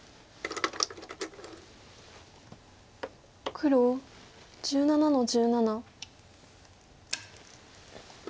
黒１７の十七。